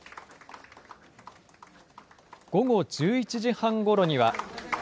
午後１１時半ごろには。